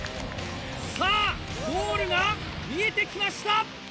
さあ、ゴールが見えてきました！